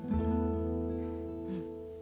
うん。